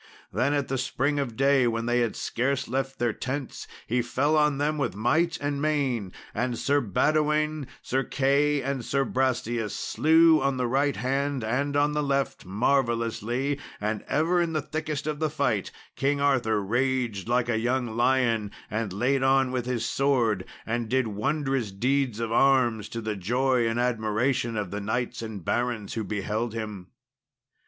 Then at the spring of day, when they had scarce left their tents, he fell on them with might and main, and Sir Badewaine, Sir Key, and Sir Brastias slew on the right hand and on the left marvellously; and ever in the thickest of the fight King Arthur raged like a young lion, and laid on with his sword, and did wondrous deeds of arms, to the joy and admiration of the knights and barons who beheld him.